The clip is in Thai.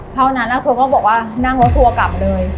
เท่านั้นเธอก็บอกว่านั่งรถทัวร์กลับเลย